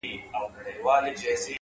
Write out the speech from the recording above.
هوښیار انسان له چوپتیا هم زده کوي.!